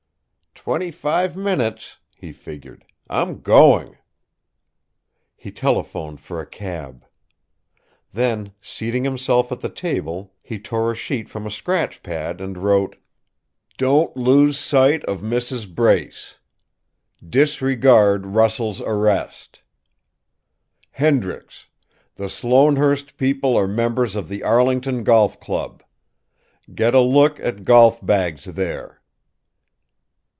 "Twenty five minutes," he figured. "I'm going!" He telephoned for a cab. Then, seating himself at the table, he tore a sheet from a scratch pad and wrote: "Don't lose sight of Mrs. Brace. Disregard Russell's arrest. "Hendricks: the Sloanehurst people are members of the Arlington Golf Club. Get a look at golf bags there.